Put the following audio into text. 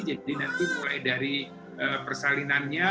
jadi nanti mulai dari persalinannya